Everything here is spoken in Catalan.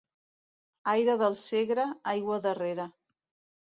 Aire del Segre, aigua darrere.